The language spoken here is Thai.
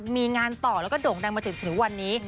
มีงานต่อแล้วก็โด่งดังมาถึงวันนี้